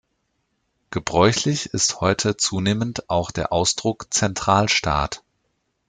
Gebräuchlich ist heute zunehmend auch der Ausdruck Zentralstaat.